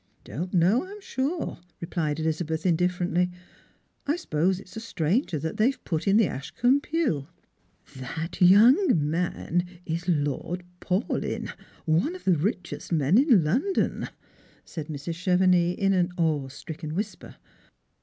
"Don't know, I'm sure," replied Elizabeth indiflferently ;" i suppose it's a stranger that they've put in the Ashcombe pew."' " That young man is Lord Paulyn, one of the richest men in London," said Mrs. Chevenix, in an awe stricken whisijei*.